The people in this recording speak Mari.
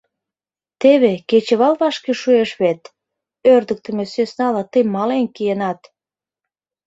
Теве кечывал вашке шуэш вет!., ӧрдыктымӧ сӧснала тый мален киенат!..